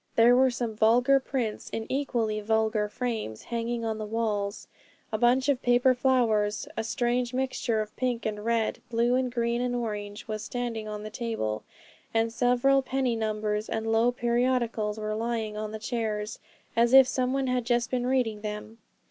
There were some vulgar prints in equally vulgar frames hanging on the walls; a bunch of paper flowers, a strange mixture of pink and red, blue and green and orange, was standing on the table, and several penny numbers and low periodicals were lying on the chairs, as if some one had just been reading them.